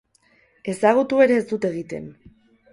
Ezagutu ere ez dut egiten.